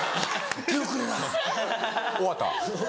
終わった。